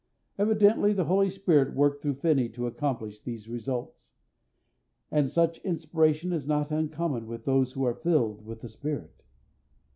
Evidently the Holy Spirit worked through Finney to accomplish these results. And such inspiration is not uncommon with those who are filled with the Spirit.